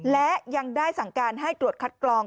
และยังได้สั่งการให้ตรวจคัดกรอง